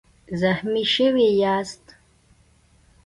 زخمي شوی یاست؟